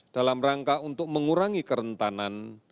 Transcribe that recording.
dalam rangka untuk mengurangi kerentanan